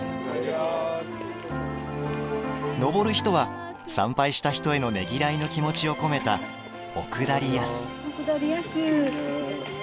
登る人は、参拝した人へのねぎらいの気持ちを込めた「おくだりやす」。